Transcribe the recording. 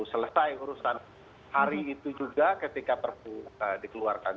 selesai urusan hari itu juga ketika perpu dikeluarkan